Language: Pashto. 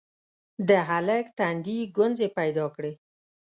د هلک تندي ګونځې پيدا کړې: